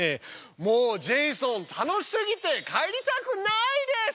もうジェイソン楽しすぎて帰りたくないです！